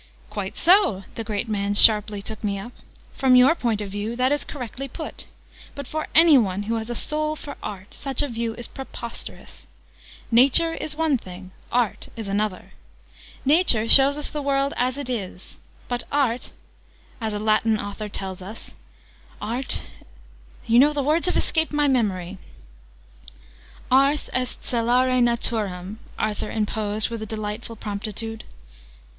"Quite so!" the great man sharply took me up. "From your point of view, that is correctly put. But for anyone who has a soul for Art, such a view is preposterous. Nature is one thing. Art is another. Nature shows us the world as it is. But Art as a Latin author tells us Art, you know the words have escaped my memory " "Ars est celare Naturam," Arthur interposed with a delightful promptitude.